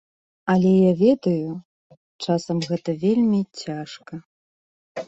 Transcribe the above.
Але я ведаю, часам гэта вельмі цяжка.